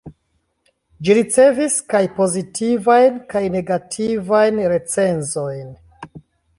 Ĝi ricevis kaj pozitivajn kaj negativajn recenzojn.